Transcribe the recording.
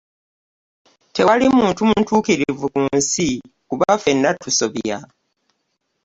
Tewali muntu mutuukirivu ku nsi kuba ffenna tusobya.